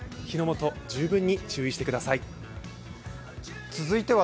火の元、十分に注意してください。